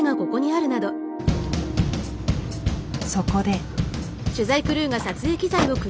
そこで。